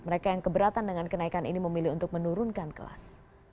mereka yang keberatan dengan kenaikan ini memilih untuk menurunkan kelas